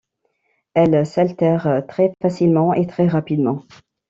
Elles s'altèrent très facilement et très rapidement.